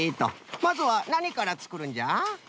まずはなにからつくるんじゃ？